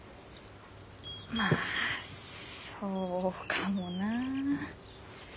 まあそうかもなあ。